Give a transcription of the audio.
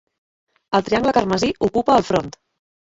El triangle carmesí ocupa el front.